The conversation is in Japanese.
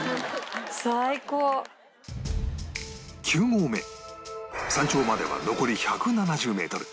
９合目山頂までは残り１７０メートル